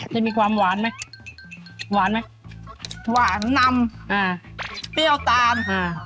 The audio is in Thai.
จะมีความหวานไหมหวานไหม